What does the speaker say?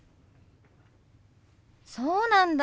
そうなんだ。